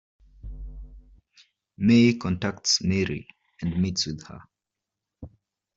May contacts Mary and meets with her.